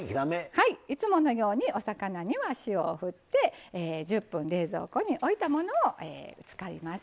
いつものようにお魚には塩をふって１０分冷蔵庫においたものを使います。